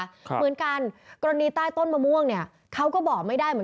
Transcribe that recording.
เหมือนกันกรณีไปก่อนนี้ต้นต้นมะม่วงเขาก็บอกไม่ได้